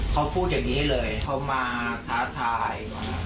เขาพูดอย่างนี้เลยเขามาท้าทาย